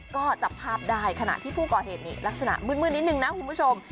ก็จับภาพได้ขณะที่ผู้ก่อเหตุนี่ลักษณะมืดนิดนึงนะคุณผู้ชม